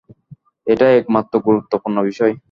এটাই একমাত্র গুরুত্বপূর্ণ বিষয়।